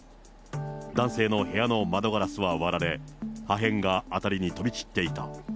男性の部屋の窓ガラスは割られ、破片が辺りに飛び散っていた。